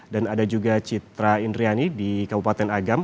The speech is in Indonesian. dan ada juga citra indriani di kabupaten agam